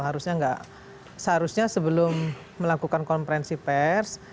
harusnya nggak seharusnya sebelum melakukan konferensi pers